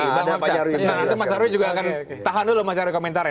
nanti mas arwi juga akan tahan dulu mas jarwi komentarnya